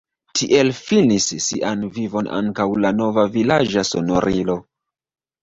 Tiel finis sian vivon ankaŭ la nova vilaĝa sonorilo.